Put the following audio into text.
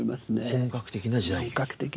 本格的な時代劇。